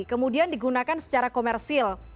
kemudian digunakan secara komersil